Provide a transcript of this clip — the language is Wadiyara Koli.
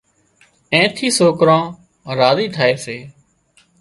اين ٿي سوڪران راضي ٿائي سي